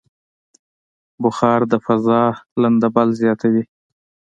بخار د فضا لندبل زیاتوي.